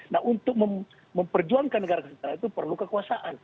nah untuk memperjuangkan negara kesejahteraan itu perlu kekuasaan